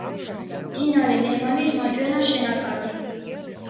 მდინარე ნემანის მარჯვენა შენაკადი.